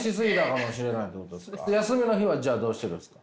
休みの日はじゃあどうしてるんですか？